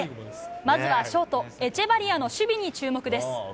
まずはショートエチェバリアの守備に注目です。